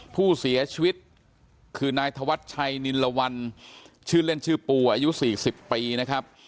ผู้เสียชีวิตคือนายธวัชชัยนินละวันชื่อเล่นชื่อปูอายุ๔๐ปีนะครับ